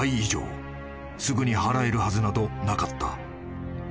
［すぐに払えるはずなどなかった］